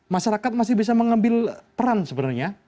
masyarakat masih bisa mengambil peran sebenarnya